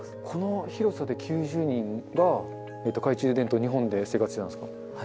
この広さで９０人が、懐中電灯２本で生活してたんですか？